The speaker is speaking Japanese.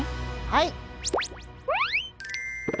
はい！